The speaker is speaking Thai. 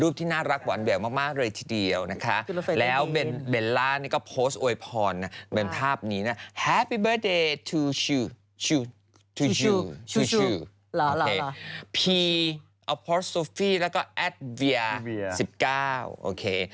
พีแล้วก็แอดเวีย๑๙โอเค